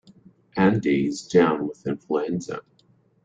Andy is down with influenza.